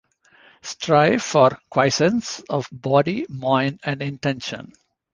Strive for quiescence of body, mind and intention.